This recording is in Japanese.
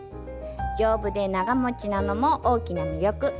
丈夫で長もちなのも大きな魅力。